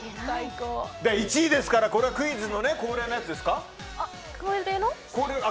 １位ですからこれはクイズの恒例のやつですか。